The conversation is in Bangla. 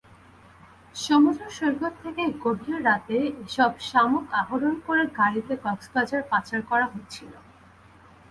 সমুদ্রসৈকত থেকে গভীর রাতে এসব শামুক আহরণ করে গাড়িতে কক্সবাজার পাচার করা হচ্ছিল।